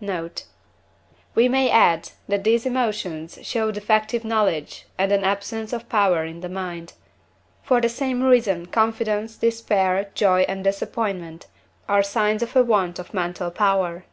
Note. We may add, that these emotions show defective knowledge and an absence of power in the mind; for the same reason confidence, despair, joy, and disappointment are signs of a want of mental power.